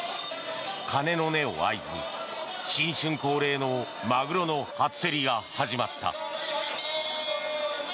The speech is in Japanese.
鐘の音を合図に、新春恒例のマグロの初競りが始まった。